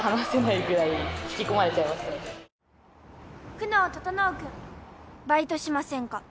「久能整君バイトしませんか？」